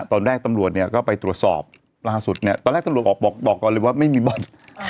ตอนแรกตำรวจเนี่ยก็ไปตรวจสอบล่าสุดเนี่ยตอนแรกตำรวจออกบอกก่อนเลยว่าไม่มีบ่อน